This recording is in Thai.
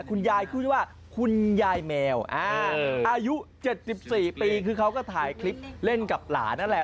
คุณยายคู่ที่ว่าคุณยายแมวอายุ๗๔ปีคือเขาก็ถ่ายคลิปเล่นกับหลานนั่นแหละ